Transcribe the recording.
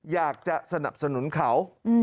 อยากจะสนับสนุนเขา